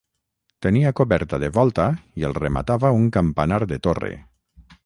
Tenia coberta de volta i el rematava un campanar de torre.